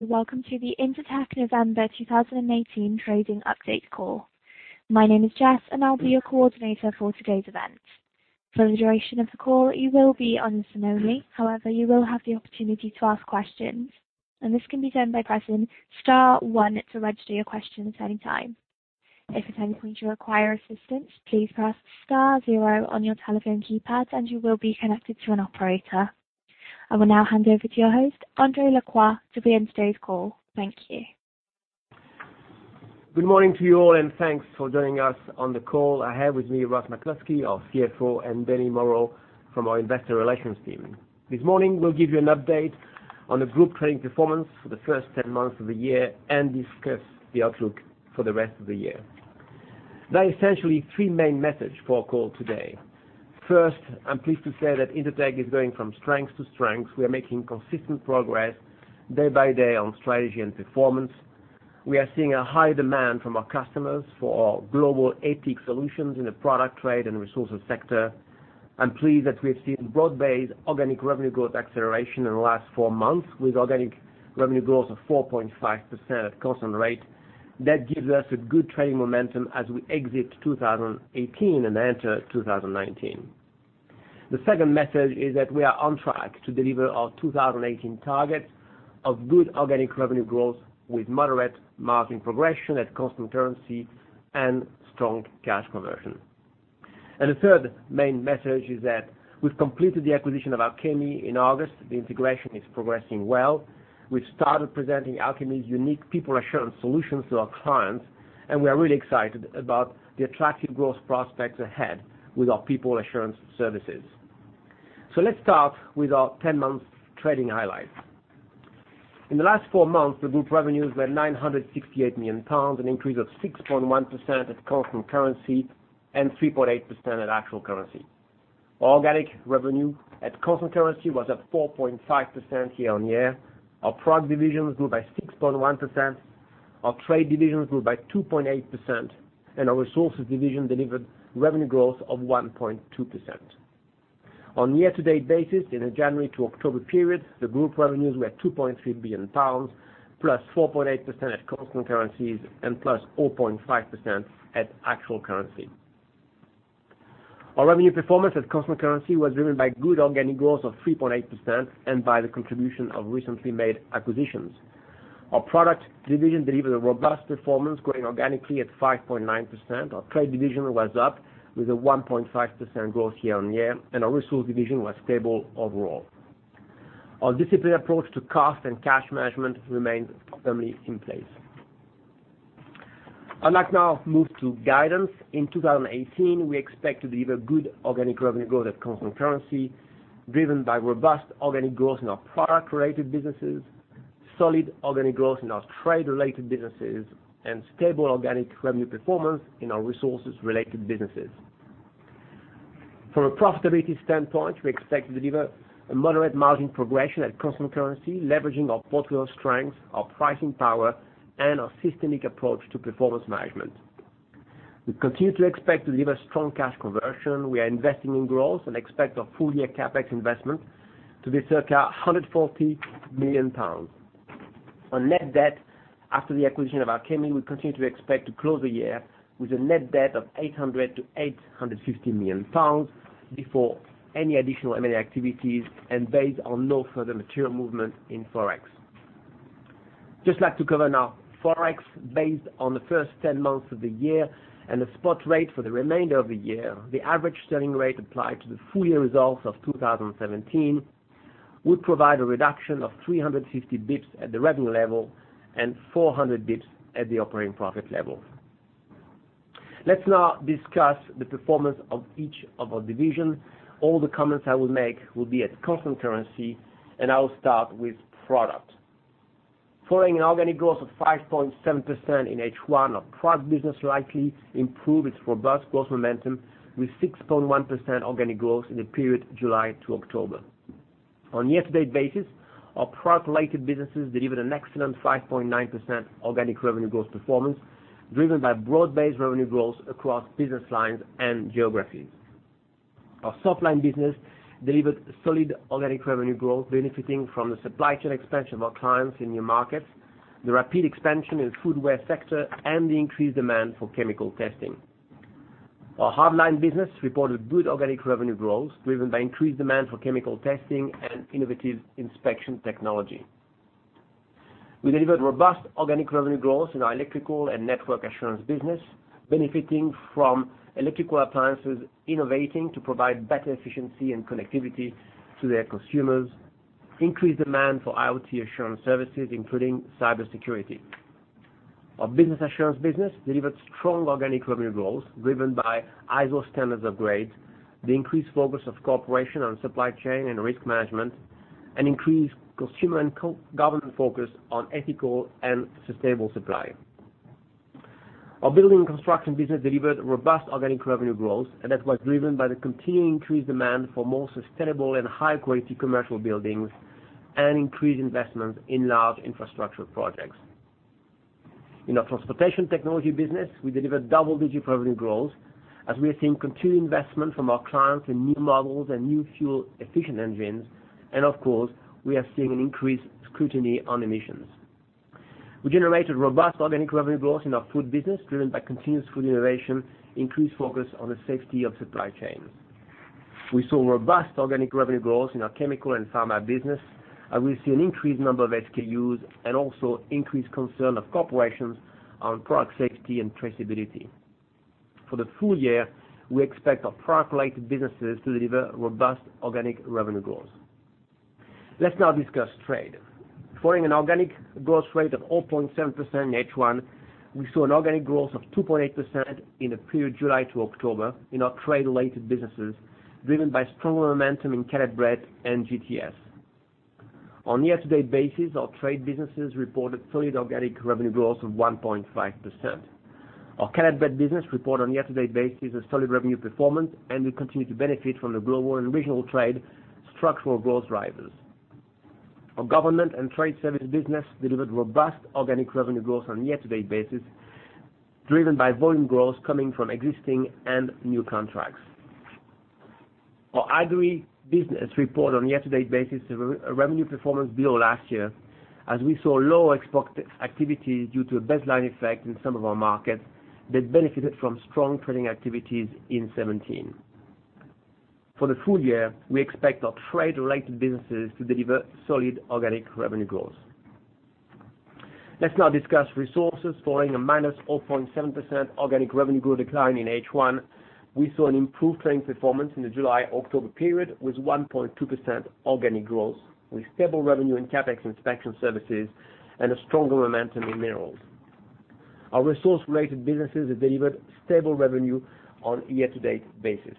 Welcome to the Intertek November 2018 trading update call. My name is Jess, and I'll be your coordinator for today's event. For the duration of the call, you will be on listen only. However, you will have the opportunity to ask questions, and this can be done by pressing star one to register your question at any time. If at any point you require assistance, please press star zero on your telephone keypad, and you will be connected to an operator. I will now hand over to your host, André Lacroix, to begin today's call. Thank you. Good morning to you all, and thanks for joining us on the call. I have with me Ross McCluskey, our CFO, and Denis Moreau from our investor relations team. This morning, we'll give you an update on the group trading performance for the first 10 months of the year and discuss the outlook for the rest of the year. There are essentially three main messages for our call today. First, I'm pleased to say that Intertek is going from strength to strength. We are making consistent progress day by day on strategy and performance. We are seeing a high demand from our customers for our global ATIC solutions in the product trade and resources sector. I'm pleased that we have seen broad-based organic revenue growth acceleration in the last four months with organic revenue growth of 4.5% at constant rate. That gives us a good trading momentum as we exit 2018 and enter 2019. The second message is that we are on track to deliver our 2018 target of good organic revenue growth with moderate margin progression at constant currency and strong cash conversion. The third main message is that we've completed the acquisition of Alchemy in August. The integration is progressing well. We've started presenting Alchemy's unique people assurance solutions to our clients, and we are really excited about the attractive growth prospects ahead with our people assurance services. Let's start with our 10 months trading highlights. In the last four months, the group revenues were 968 million pounds, an increase of 6.1% at constant currency and 3.8% at actual currency. Organic revenue at constant currency was at 4.5% year on year. Our product divisions grew by 6.1%, our trade divisions grew by 2.8%, and our resources division delivered revenue growth of 1.2%. On a year-to-date basis in the January to October period, the group revenues were 2.3 billion pounds plus 4.8% at constant currencies and plus 4.5% at actual currency. Our revenue performance at constant currency was driven by good organic growth of 3.8% and by the contribution of recently made acquisitions. Our product division delivered a robust performance, growing organically at 5.9%. Our trade division was up with a 1.5% growth year on year, and our resource division was stable overall. Our disciplined approach to cost and cash management remains firmly in place. I'd like now move to guidance. In 2018, we expect to deliver good organic revenue growth at constant currency driven by robust organic growth in our product-related businesses, solid organic growth in our trade-related businesses, and stable organic revenue performance in our resources-related businesses. From a profitability standpoint, we expect to deliver a moderate margin progression at constant currency, leveraging our portfolio strength, our pricing power, and our systemic approach to performance management. We continue to expect to deliver strong cash conversion. We are investing in growth and expect our full-year CapEx investment to be circa 140 million pounds. On net debt, after the acquisition of Alchemy, we continue to expect to close the year with a net debt of 800 million-850 million pounds before any additional M&A activities and based on no further material movement in Forex. I just like to cover now Forex. Based on the first 10 months of the year and the spot rate for the remainder of the year, the average selling rate applied to the full year results of 2017 would provide a reduction of 350 basis points at the revenue level and 400 basis points at the operating profit level. Let's now discuss the performance of each of our divisions. All the comments I will make will be at constant currency, and I will start with product. Following an organic growth of 5.7% in H1, our product business slightly improved its robust growth momentum with 6.1% organic growth in the period July to October. On a year-to-date basis, our product-related businesses delivered an excellent 5.9% organic revenue growth performance, driven by broad-based revenue growth across business lines and geographies. Our softline business delivered solid organic revenue growth, benefiting from the supply chain expansion of our clients in new markets, the rapid expansion in the footwear sector, and the increased demand for chemical testing. Our hardline business reported good organic revenue growth, driven by increased demand for chemical testing and innovative inspection technology. We delivered robust organic revenue growth in our electrical and network assurance business, benefiting from electrical appliances innovating to provide better efficiency and connectivity to their consumers, increased demand for IoT assurance services, including cybersecurity. Our business assurance business delivered strong organic revenue growth driven by ISO standards upgrades, the increased focus of corporations on supply chain and risk management, and increased consumer and government focus on ethical and sustainable supply. Our Building & Construction business delivered robust organic revenue growth, and that was driven by the continuing increased demand for more sustainable and high-quality commercial buildings and increased investments in large infrastructure projects. In our transportation technology business, we delivered double-digit revenue growth as we are seeing continued investment from our clients in new models and new fuel-efficient engines. Of course, we are seeing an increased scrutiny on emissions. We generated robust organic revenue growth in our food business, driven by continuous food innovation, increased focus on the safety of supply chain. We saw robust organic revenue growth in our chemical and pharma business, and we've seen increased number of SKUs and also increased concern of corporations on product safety and traceability. For the full year, we expect our product-related businesses to deliver robust organic revenue growth. Let's now discuss trade. Following an organic growth rate of 0.7% in H1, we saw an organic growth of 2.8% in the period July to October in our trade-related businesses, driven by strong momentum in Caleb Brett and GTS. On a year-to-date basis, our trade businesses reported solid organic revenue growth of 1.5%. Our Caleb Brett business reported on a year-to-date basis a solid revenue performance and will continue to benefit from the global and regional trade structural growth drivers. Our government and trade service business delivered robust organic revenue growth on a year-to-date basis, driven by volume growth coming from existing and new contracts. Our agri business reported on a year-to-date basis, a revenue performance below last year, as we saw low export activity due to a baseline effect in some of our markets that benefited from strong trading activities in 2017. For the full year, we expect our trade-related businesses to deliver solid organic revenue growth. Let's now discuss resources following a minus 0.7% organic revenue growth decline in H1. We saw an improved trading performance in the July-October period with 1.2% organic growth, with stable revenue in CapEx inspection services and a stronger momentum in minerals. Our resource-related businesses have delivered stable revenue on a year-to-date basis.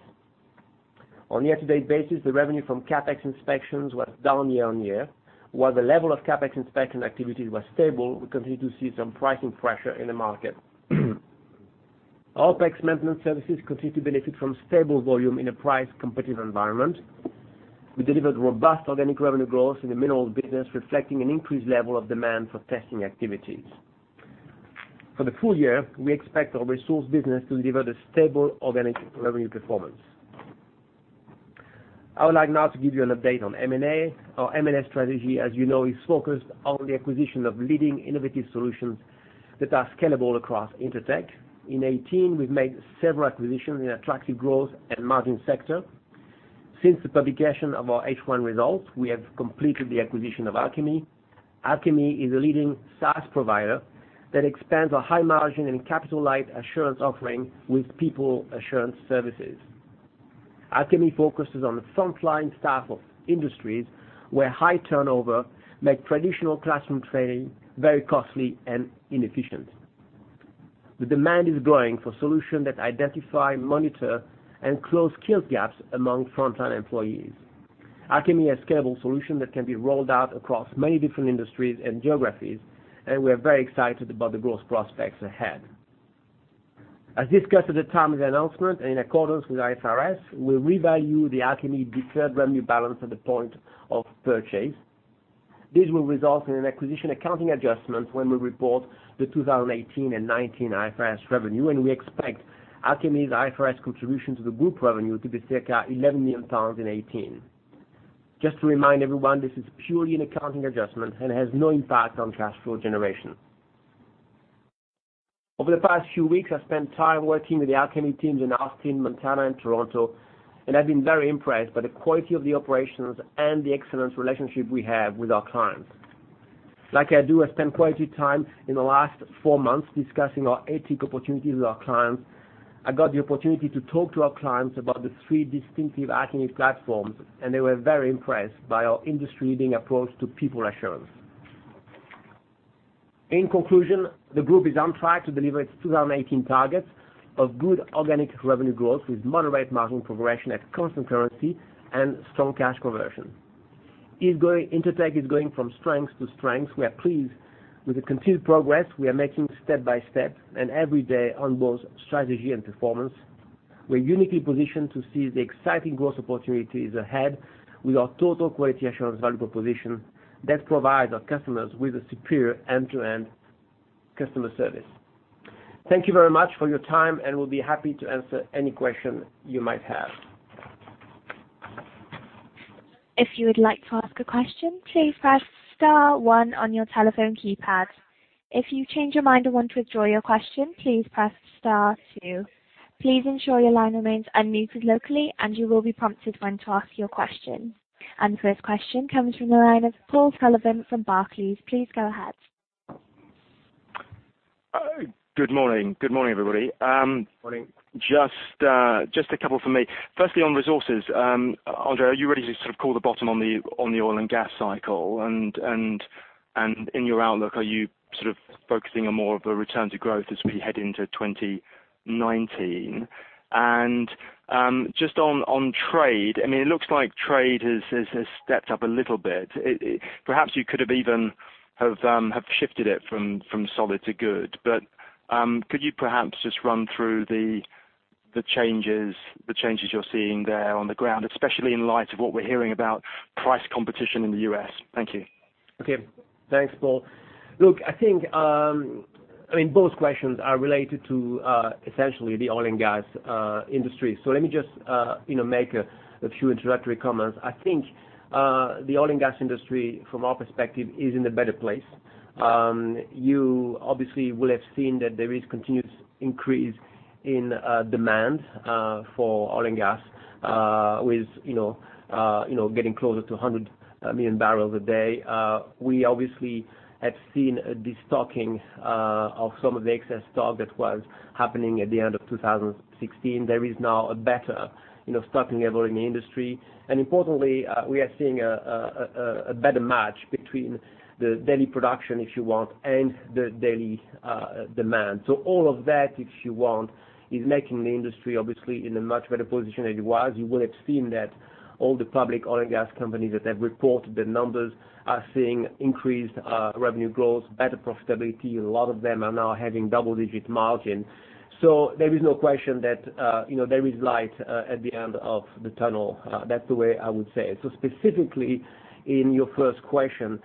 On a year-to-date basis, the revenue from CapEx inspections was down year on year, while the level of CapEx inspection activity was stable, we continue to see some pricing pressure in the market. OpEx maintenance services continue to benefit from stable volume in a price-competitive environment. We delivered robust organic revenue growth in the minerals business, reflecting an increased level of demand for testing activities. For the full year, we expect our resource business to deliver the stable organic revenue performance. I would like now to give you an update on M&A. Our M&A strategy, as you know, is focused on the acquisition of leading innovative solutions that are scalable across Intertek. In 2018, we've made several acquisitions in attractive growth and margin sector. Since the publication of our H1 results, we have completed the acquisition of Alchemy. Alchemy is a leading SaaS provider that expands our high margin and capital-light assurance offering with people assurance services. Alchemy focuses on the frontline staff of industries where high turnover make traditional classroom training very costly and inefficient. The demand is growing for solution that identify, monitor, and close skills gaps among frontline employees. Alchemy has scalable solution that can be rolled out across many different industries and geographies, and we are very excited about the growth prospects ahead. As discussed at the time of the announcement and in accordance with IFRS, we revalue the Alchemy deferred revenue balance at the point of purchase. This will result in an acquisition accounting adjustment when we report the 2018 and 2019 IFRS revenue, and we expect Alchemy's IFRS contribution to the group revenue to be circa 11 million pounds in 2018. Just to remind everyone, this is purely an accounting adjustment and has no impact on cash flow generation. Over the past few weeks, I've spent time working with the Alchemy teams in Bozeman, Montana, and Toronto, and I've been very impressed by the quality of the operations and the excellent relationship we have with our clients. Like I do, I spent quality time in the last four months discussing our ATIC opportunities with our clients. I got the opportunity to talk to our clients about the three distinctive Alchemy platforms, and they were very impressed by our industry-leading approach to people assurance. In conclusion, the group is on track to deliver its 2018 targets of good organic revenue growth with moderate margin progression at constant currency and strong cash conversion. Intertek is going from strength to strength. We are pleased with the continued progress we are making step by step and every day on both strategy and performance. We are uniquely positioned to seize the exciting growth opportunities ahead with our total quality assurance value proposition that provides our customers with a superior end-to-end customer service. Thank you very much for your time, we'll be happy to answer any question you might have. If you would like to ask a question, please press star one on your telephone keypad. If you change your mind or want to withdraw your question, please press star two. Please ensure your line remains unmuted locally and you will be prompted when to ask your question. The first question comes from the line of Paul Sullivan from Barclays. Please go ahead. Good morning. Good morning, everybody. Morning. Just a couple from me. Firstly, on resources, André, are you ready to sort of call the bottom on the oil and gas cycle? In your outlook, are you sort of focusing on more of a return to growth as we head into 2019? Just on trade, I mean, it looks like trade has stepped up a little bit. Perhaps you could have even have shifted it from solid to good. Could you perhaps just run through the changes you're seeing there on the ground, especially in light of what we're hearing about price competition in the U.S. Thank you. Thanks, Paul. Look, I think both questions are related to essentially the oil and gas industry. Let me just make a few introductory comments. I think the oil and gas industry, from our perspective, is in a better place. You obviously will have seen that there is continued increase in demand for oil and gas, with getting closer to 100 million barrels a day. We obviously have seen destocking of some of the excess stock that was happening at the end of 2016. There is now a better stocking level in the industry, and importantly, we are seeing a better match between the daily production, if you want, and the daily demand. All of that, if you want, is making the industry obviously in a much better position than it was. You will have seen that all the public oil and gas companies that have reported their numbers are seeing increased revenue growth, better profitability. A lot of them are now having double-digit margin. There is no question that there is light at the end of the tunnel. That's the way I would say it. Specifically, in your first question,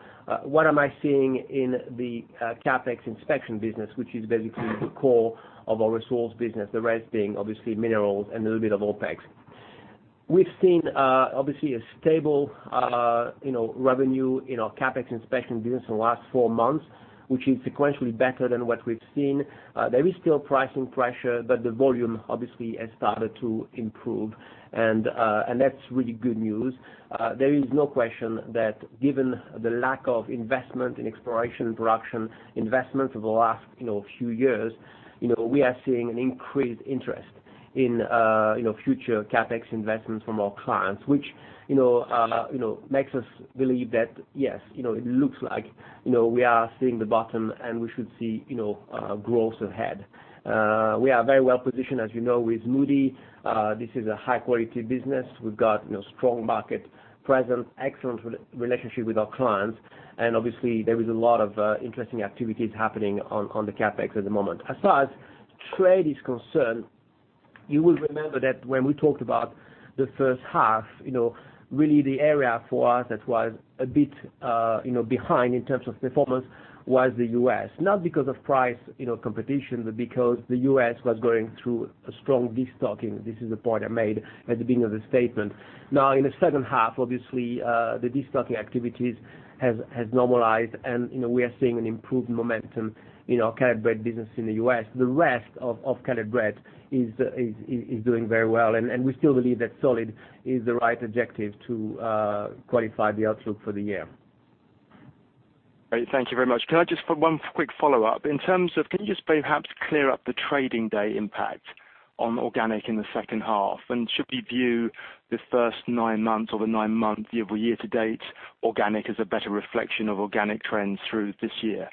what am I seeing in the CapEx inspection business, which is basically the core of our resource business, the rest being obviously minerals and a little bit of OpEx. We've seen, obviously, a stable revenue in our CapEx inspection business in the last four months, which is sequentially better than what we've seen. There is still pricing pressure, but the volume obviously has started to improve, and that's really good news. There is no question that given the lack of investment in exploration and production, investment over the last few years, we are seeing an increased interest in future CapEx investments from our clients, which makes us believe that, yes, it looks like we are seeing the bottom, and we should see growth ahead. We are very well-positioned, as you know, with Moody. This is a high-quality business. We've got strong market presence, excellent relationship with our clients, and obviously there is a lot of interesting activities happening on the CapEx at the moment. As far as trade is concerned, you will remember that when we talked about the first half, really the area for us that was a bit behind in terms of performance was the U.S. Not because of price competition, but because the U.S. was going through a strong destocking. This is the point I made at the beginning of the statement. In the second half, obviously, the destocking activities has normalized, and we are seeing an improved momentum in our Caleb Brett business in the U.S. The rest of Caleb Brett is doing very well, and we still believe that solid is the right objective to qualify the outlook for the year. Great. Thank you very much. Can I just put one quick follow-up? Can you just perhaps clear up the trading day impact on organic in the second half? Should we view the first nine months or the nine months year to date organic as a better reflection of organic trends through this year?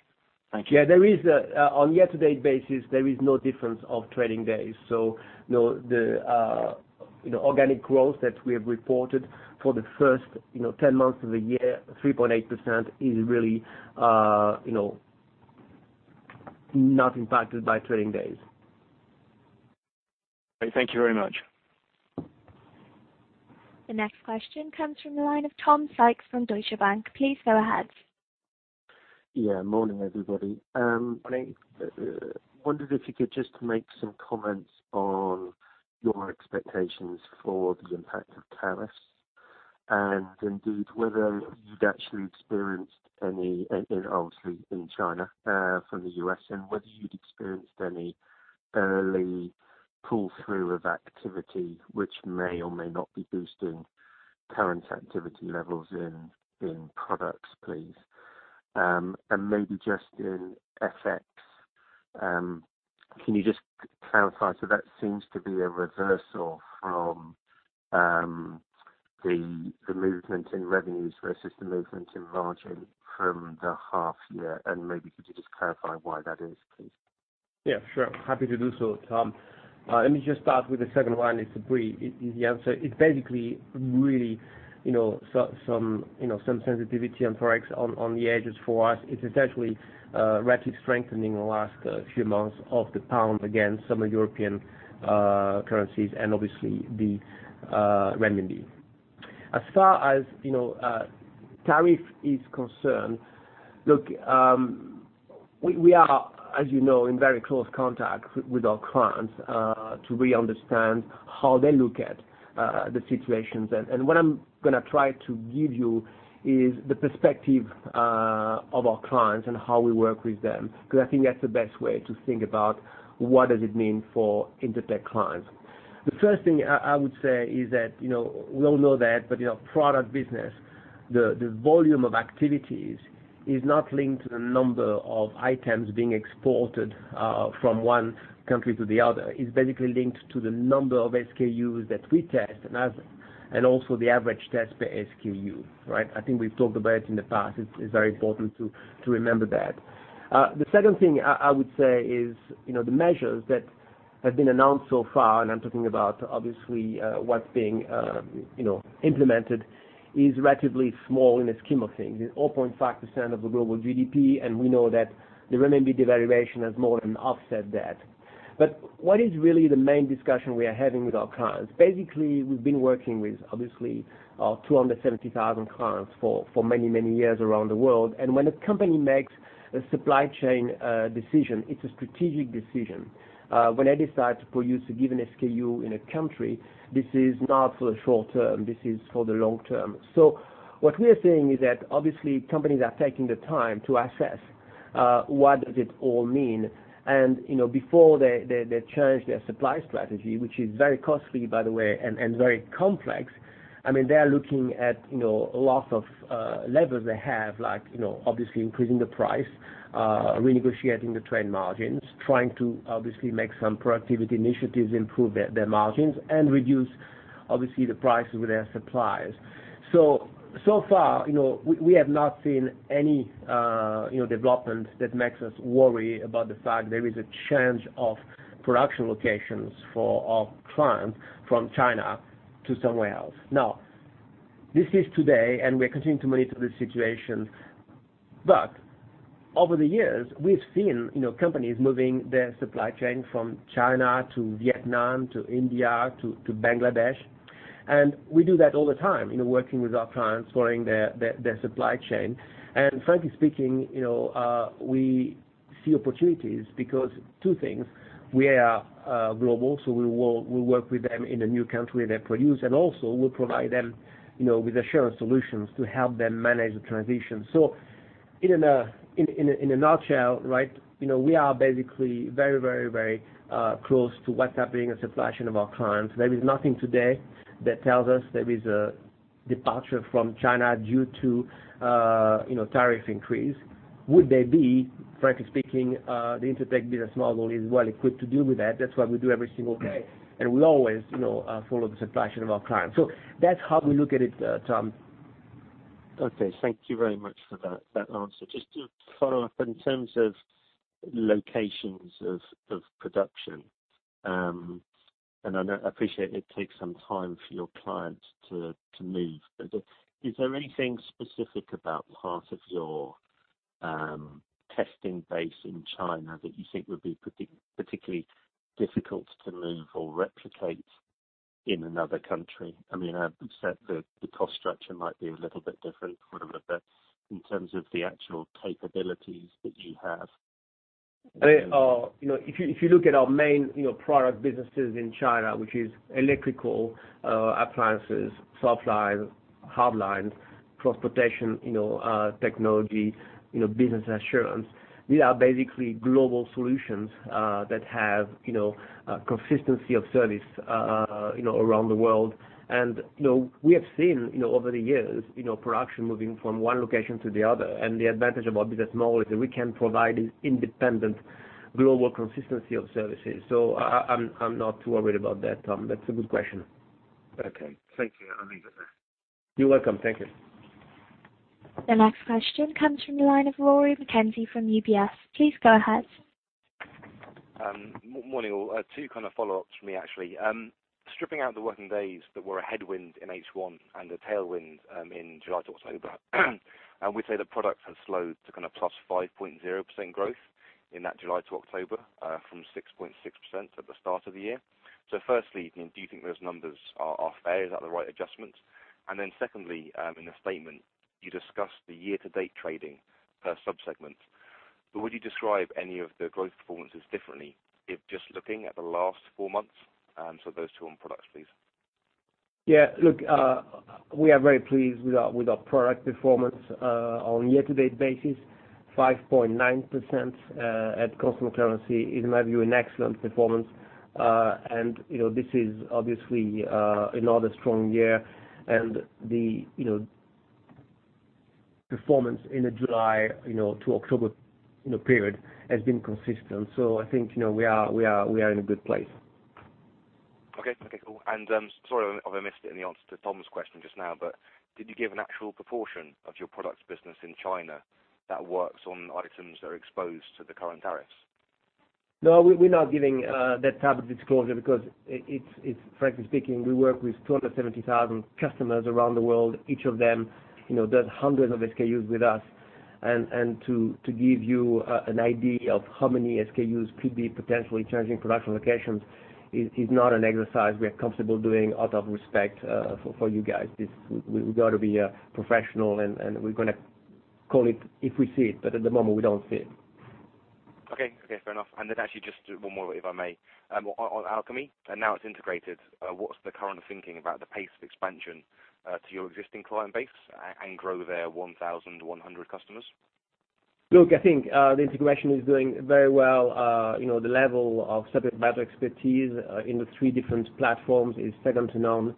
Thank you. Yeah. On year to date basis, there is no difference of trading days. The organic growth that we have reported for the first 10 months of the year, 3.8%, is really not impacted by trading days. Okay. Thank you very much. The next question comes from the line of Tom Sykes from Deutsche Bank. Please go ahead. Morning, everybody. I wondered if you could just make some comments on your expectations for the impact of tariffs, and indeed whether you'd actually experienced any, obviously in China from the U.S., and whether you'd experienced any early pull-through of activity which may or may not be boosting current activity levels in products, please. Maybe just in ForEx, can you just clarify? That seems to be a reversal from the movement in revenues versus the movement in margin from the half year, and maybe could you just clarify why that is, please? Yeah, sure. Happy to do so, Tom. Let me just start with the second one. It's a brief answer. It's basically really some sensitivity on ForEx on the edges for us. It's essentially rapidly strengthening the last few months of the pound against some European currencies and obviously the renminbi. As far as tariff is concerned, look, we are, as you know, in very close contact with our clients to really understand how they look at the situations. What I'm going to try to give you is the perspective of our clients and how we work with them, because I think that's the best way to think about what does it mean for Intertek clients. The first thing I would say is that we all know that, our product business, the volume of activities is not linked to the number of items being exported from one country to the other. It's basically linked to the number of SKUs that we test and also the average test per SKU. Right? I think we've talked about it in the past. It's very important to remember that. The second thing I would say is the measures that have been announced so far, and I'm talking about obviously what's being implemented, is relatively small in the scheme of things. It's 0.5% of the global GDP, we know that the renminbi devaluation has more than offset that. What is really the main discussion we are having with our clients? Basically, we've been working with, obviously, 270,000 clients for many, many years around the world. When a company makes a supply chain decision, it's a strategic decision. When they decide to produce a given SKU in a country, this is not for the short term. This is for the long term. What we are saying is that obviously companies are taking the time to assess what does it all mean. Before they change their supply strategy, which is very costly, by the way, and very complex. They are looking at a lot of levers they have, like obviously increasing the price, renegotiating the trade margins, trying to obviously make some productivity initiatives, improve their margins, and reduce, obviously, the prices with their suppliers. So far, we have not seen any development that makes us worry about the fact there is a change of production locations for our clients from China to somewhere else. This is today, and we are continuing to monitor the situation. Over the years, we've seen companies moving their supply chain from China to Vietnam to India to Bangladesh. We do that all the time, working with our clients, following their supply chain. Frankly speaking, we see opportunities because two things, we are global, so we work with them in a new country where they produce, and also we provide them with assurance solutions to help them manage the transition. In a nutshell, we are basically very close to what's happening in supply chain of our clients. There is nothing today that tells us there is a departure from China due to tariff increase. Would there be, frankly speaking, the Intertek business model is well-equipped to deal with that. That's why we do every single day. We always follow the supply chain of our clients. That's how we look at it, Tom. Thank you very much for that answer. Just to follow up, in terms of locations of production, and I appreciate it takes some time for your clients to move. Is there anything specific about part of your testing base in China that you think would be particularly difficult to move or replicate in another country? I mean, the cost structure might be a little bit different, but in terms of the actual capabilities that you have. If you look at our main product businesses in China, which is electrical appliances, softline, hardline, transportation technology, business and assurance. These are basically global solutions that have consistency of service around the world. We have seen, over the years, production moving from one location to the other. The advantage of our business model is that we can provide independent global consistency of services. I'm not too worried about that, Tom. That's a good question. Okay. Thank you. I'll leave it there. You're welcome. Thank you. The next question comes from the line of Rory McKenzie from UBS. Please go ahead. Morning, all. Two follow-ups from me, actually. Stripping out the working days that were a headwind in H1 and a tailwind in July to October, we say that products have slowed to plus 5.0% growth in that July to October from 6.6% at the start of the year. Firstly, do you think those numbers are fair? Is that the right adjustment? Secondly, in the statement, you discussed the year-to-date trading per sub-segments. Would you describe any of the growth performances differently if just looking at the last four months? Those two on products, please. Yeah. Look, we are very pleased with our product performance. On a year-to-date basis, 5.9% at constant currency is, in my view, an excellent performance. This is obviously another strong year. The performance in the July to October period has been consistent. I think we are in a good place. Okay, cool. Sorry if I missed it in the answer to Tom's question just now, but did you give an actual proportion of your products business in China that works on items that are exposed to the current tariffs? No, we're not giving that type of disclosure because it's, frankly speaking, we work with 270,000 customers around the world. Each of them does hundreds of SKUs with us. To give you an idea of how many SKUs could be potentially changing production locations is not an exercise we are comfortable doing out of respect for you guys. We got to be professional, and we're going to call it if we see it. At the moment, we don't see it. Okay. Fair enough. Then actually just one more, if I may. On Alchemy, now it's integrated, what's the current thinking about the pace of expansion to your existing client base and grow their 1,100 customers? Look, I think the integration is doing very well. The level of subject matter expertise in the three different platforms is second to none.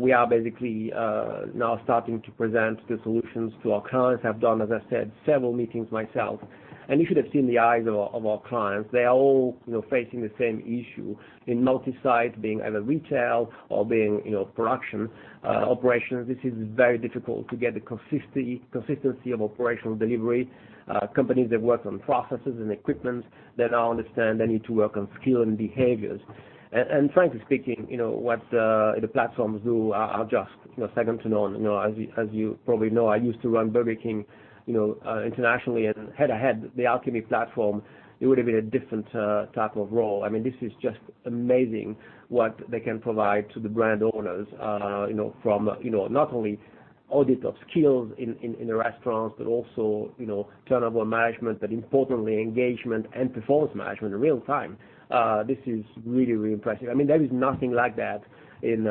We are basically now starting to present the solutions to our clients. I've done, as I said, several meetings myself. You should have seen the eyes of our clients. They are all facing the same issue in multi-site being either retail or being production operations, this is very difficult to get the consistency of operational delivery. Companies that worked on processes and equipment that now understand they need to work on skill and behaviors. Frankly speaking, what the platforms do are just second to none. As you probably know, I used to run Burger King internationally, and head-to-head, the Alchemy platform, it would've been a different type of role. This is just amazing what they can provide to the brand owners, from not only audit of skills in the restaurants, but also turnover management, importantly, engagement and performance management in real time. This is really, really impressive. There is nothing like that in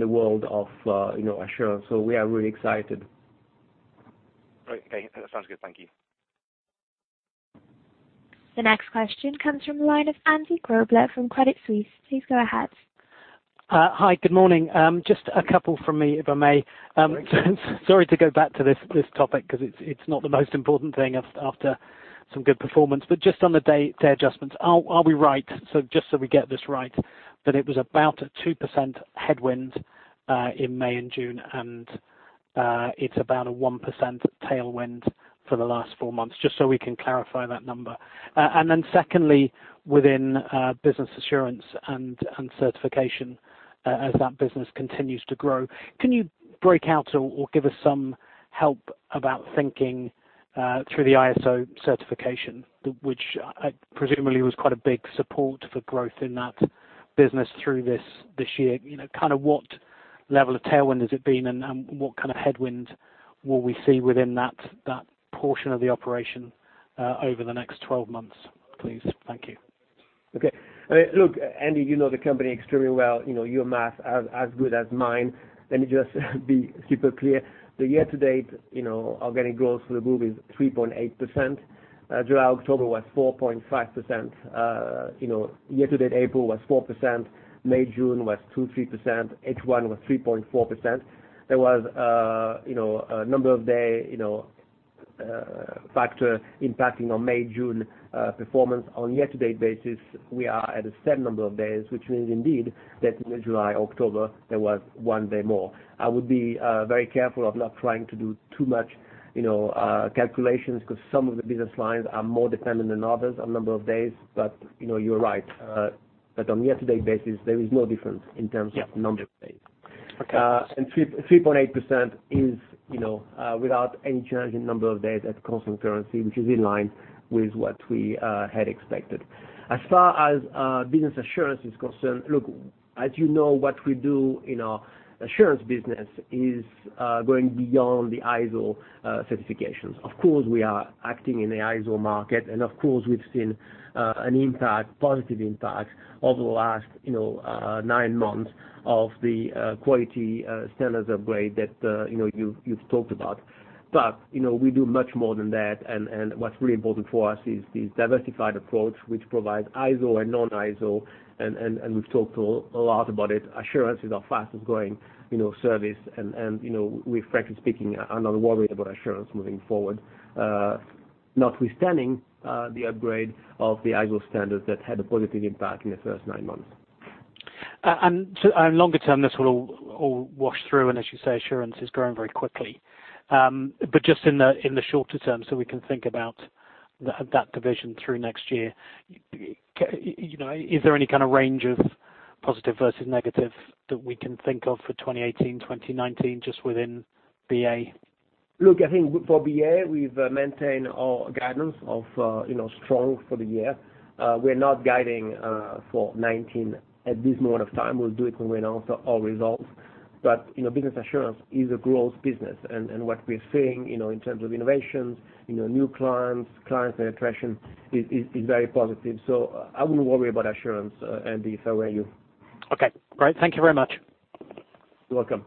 the world of assurance. We are really excited. Great. Okay. That sounds good. Thank you. The next question comes from the line of Andrew Grobler from Credit Suisse. Please go ahead. Hi. Good morning. Just a couple from me, if I may. Great. Sorry to go back to this topic because it's not the most important thing after some good performance. Just on the day adjustments, are we right, just so we get this right, that it was about a 2% headwind in May and June, and it's about a 1% tailwind for the last four months, just so we can clarify that number. Then secondly, within business assurance and certification, as that business continues to grow, can you break out or give us some help about thinking through the ISO certification, which presumably was quite a big support for growth in that business through this year? Kind of what level of tailwind has it been, and what kind of headwind will we see within that portion of the operation over the next 12 months, please? Thank you. Okay. Look, Andy, you know the company extremely well. Your math as good as mine. Let me just be super clear. The year-to-date organic growth for the group is 3.8%. July, October was 4.5%. Year-to-date April was 4%. May, June was 2, 3%. H1 was 3.4%. There was a number of day factor impacting on May, June performance. On year-to-date basis, we are at a set number of days, which means indeed that in July, October, there was one day more. I would be very careful of not trying to do too much calculations because some of the business lines are more dependent than others on number of days. You're right, that on year-to-date basis, there is no difference in terms. Yeah of number of days. Okay. 3.8% is without any change in number of days at constant currency, which is in line with what we had expected. As far as business assurance is concerned, look, as you know, what we do in our assurance business is going beyond the ISO certifications. Of course, we are acting in the ISO market, and of course, we've seen an impact, positive impact, over the last 9 months of the quality standards upgrade that you've talked about. We do much more than that, and what's really important for us is this diversified approach, which provides ISO and non-ISO, and we've talked a lot about it. Assurance is our fastest growing service, and we, frankly speaking, are not worried about assurance moving forward, notwithstanding the upgrade of the ISO standards that had a positive impact in the first 9 months. Longer term, this will all wash through, and as you say, assurance is growing very quickly. Just in the shorter term, so we can think about that division through next year, is there any kind of range of positive versus negative that we can think of for 2018, 2019, just within BA? Look, I think for BA, we've maintained our guidance of strong for the year. We're not guiding for 2019 at this moment of time. We'll do it when we announce our results. Business assurance is a growth business, and what we're seeing in terms of innovations, new clients, client attraction, is very positive. I wouldn't worry about assurance, Andy, if I were you. Okay, great. Thank you very much. You're welcome.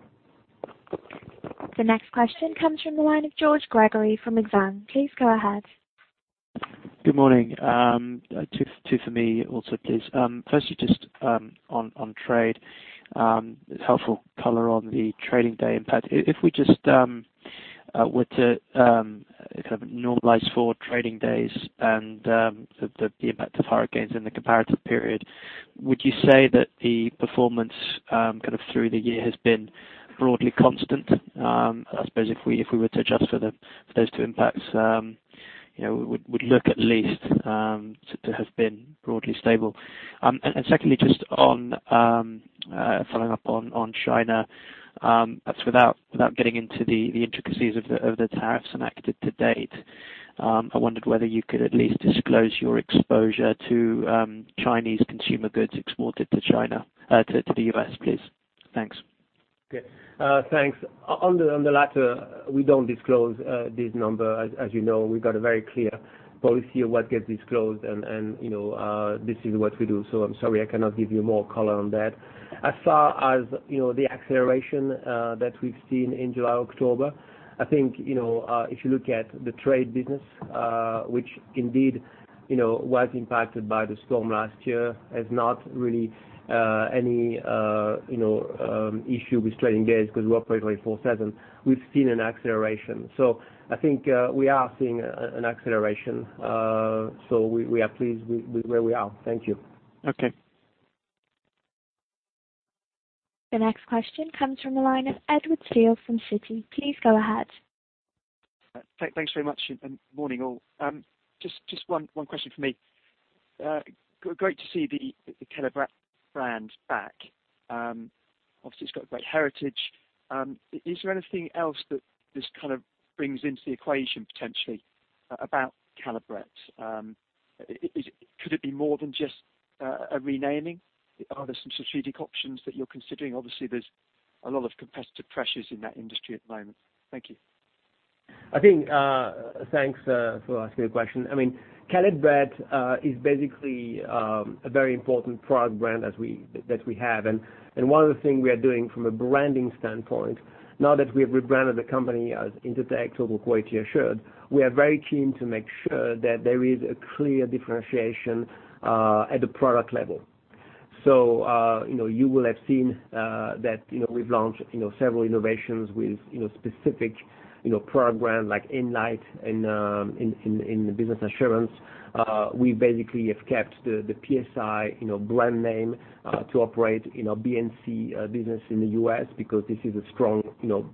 The next question comes from the line of George Gregory from Exane. Please go ahead. Good morning. Two for me also, please. Firstly, just on trade, helpful color on the trading day impact. If we just were to kind of normalize for trading days and the impact of hurricanes in the comparative period, would you say that the performance kind of through the year has been broadly constant? I suppose if we were to adjust for those two impacts, would look at least to have been broadly stable. Secondly, just following up on China. Perhaps without getting into the intricacies of the tariffs enacted to date, I wondered whether you could at least disclose your exposure to Chinese consumer goods exported to the U.S., please. Thanks. Okay. Thanks. On the latter, we do not disclose this number. As you know, we've got a very clear policy of what gets disclosed, this is what we do. I'm sorry, I cannot give you more color on that. As far as the acceleration that we've seen in July, October, I think, if you look at the trade business, which indeed was impacted by the storm last year, has not really any issue with trading days because we operate 24/7. We've seen an acceleration. I think we are seeing an acceleration, we are pleased with where we are. Thank you. Okay. The next question comes from the line of Edward Steele from Citi. Please go ahead. Thanks very much. Morning, all. Just one question from me. Great to see the Caleb Brett brand back. Obviously, it's got great heritage. Is there anything else that this brings into the equation potentially about Caleb Brett? Could it be more than just a renaming? Are there some strategic options that you're considering? Obviously, there's a lot of competitive pressures in that industry at the moment. Thank you. Thanks for asking the question. Caleb Brett is basically a very important product brand that we have. One of the things we are doing from a branding standpoint, now that we have rebranded the company as Intertek: Total Quality. Assured., we are very keen to make sure that there is a clear differentiation at the product level. You will have seen that we've launched several innovations with specific program, like Inlight in the Business Assurance. We basically have kept the PSI brand name to operate Building & Construction business in the U.S. because this is a strong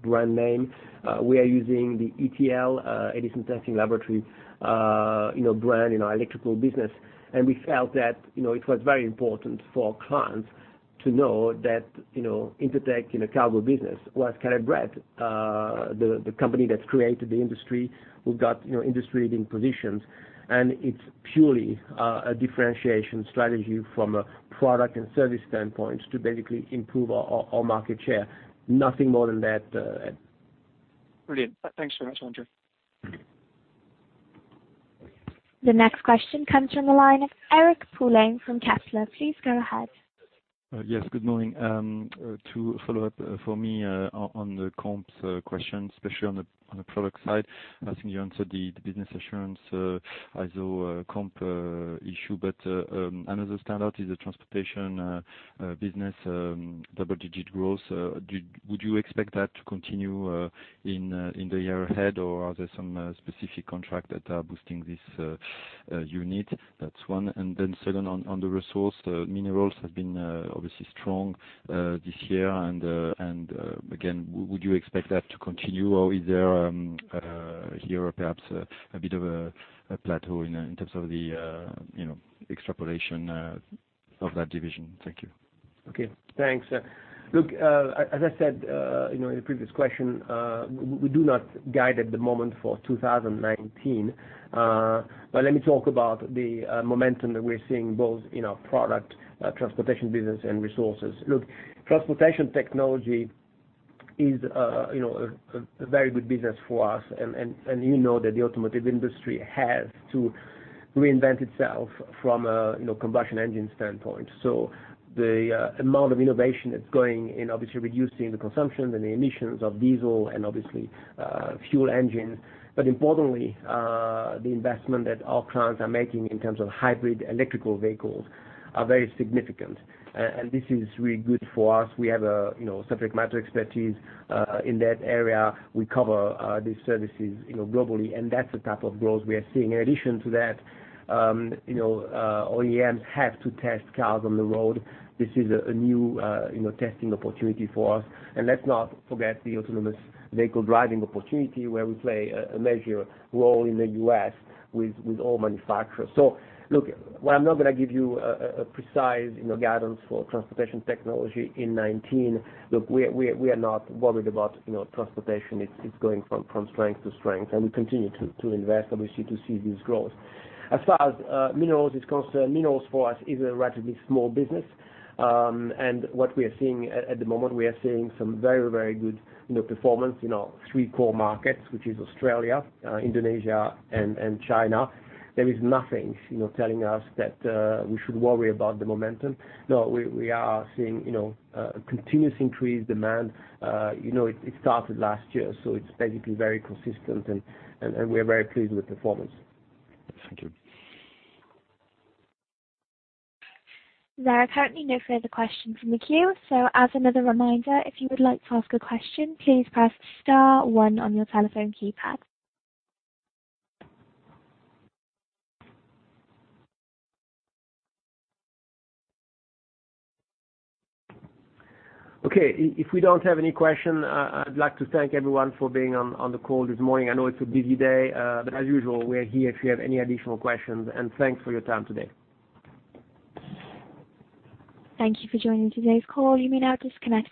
brand name. We are using the ETL, Edison Testing Laboratories, brand in our electrical business. We felt that it was very important for clients to know that Intertek in a cargo business was Caleb Brett, the company that created the industry, who got industry-leading positions. It's purely a differentiation strategy from a product and service standpoint to basically improve our market share. Nothing more than that, Ed. Brilliant. Thanks very much, André. The next question comes from the line of Eric Poulain from Kepler Cheuvreux. Please go ahead. Yes, good morning. To follow up for me on the comps question, especially on the product side, I think you answered the business assurance ISO comp issue. Another standout is the transportation business double-digit growth. Would you expect that to continue in the year ahead, or are there some specific contracts that are boosting this unit? That's one. Second, on the resource, minerals have been obviously strong this year, and again, would you expect that to continue, or is there here perhaps a bit of a plateau in terms of the extrapolation of that division? Thank you. Okay. Thanks. Look, as I said in the previous question, we do not guide at the moment for 2019. Let me talk about the momentum that we're seeing, both in our product, transportation business, and resources. Look, transportation technology is a very good business for us, and you know that the automotive industry has to reinvent itself from a combustion engine standpoint. The amount of innovation that's going in, obviously, reducing the consumption and the emissions of diesel and obviously fuel engines. Importantly, the investment that our clients are making in terms of hybrid electrical vehicles are very significant. This is really good for us. We have subject matter expertise in that area. We cover these services globally, and that's the type of growth we are seeing. In addition to that, OEMs have to test cars on the road. Let's not forget the autonomous vehicle driving opportunity, where we play a major role in the U.S. with all manufacturers. Look, while I'm not going to give you a precise guidance for transportation technology in 2019, we are not worried about transportation. It's going from strength to strength, and we continue to invest, obviously, to see this growth. As far as minerals is concerned, minerals for us is a relatively small business. What we are seeing at the moment, we are seeing some very good performance in our three core markets, which is Australia, Indonesia, and China. There is nothing telling us that we should worry about the momentum. We are seeing continuous increased demand. It started last year, so it's basically very consistent and we are very pleased with performance. Thank you. There are currently no further questions in the queue. As another reminder, if you would like to ask a question, please press star one on your telephone keypad. If we don't have any question, I'd like to thank everyone for being on the call this morning. I know it's a busy day. As usual, we're here if you have any additional questions, and thanks for your time today. Thank you for joining today's call. You may now disconnect.